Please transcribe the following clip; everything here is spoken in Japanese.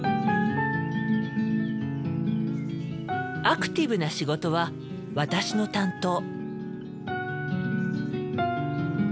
アクティブな仕事は私の担当。